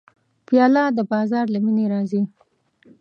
پیاله د بازار له مینې راځي.